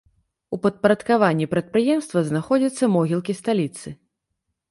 У падпарадкаванні прадпрыемства знаходзяцца могілкі сталіцы.